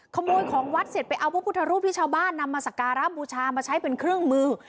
ขโมยของวัดเสร็จไปเอาพระพุทธรูปที่ชาวบ้านนำมาสการะบูชามาใช้เป็นเครื่องมือ